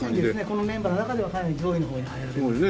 このメンバーの中ではかなり上位の方に入られます。